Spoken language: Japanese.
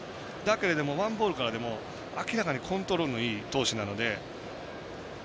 だけれども、ワンボールからでも明らかにコントロールのいい投手なので。